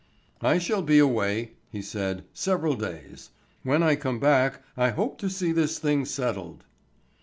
"I shall be away," he said, "several days. When I come back I hope to see this thing settled."